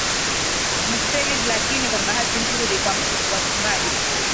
mustelids lakini kwa bahati nzuri kwa wachungaji